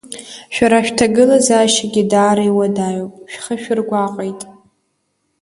Шәара шәҭагылазаашьагьы даара иуадаҩуп, шәхы шәыргәаҟит?